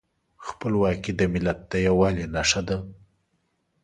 خپلواکي د ملت د یووالي نښه ده.